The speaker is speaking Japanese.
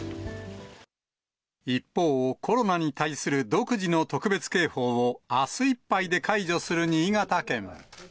一方、コロナに対する独自の特別警報をあすいっぱいで解除する新潟県。